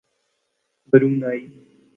Brunei